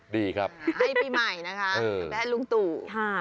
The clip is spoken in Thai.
ให้ปีใหม่นะคะ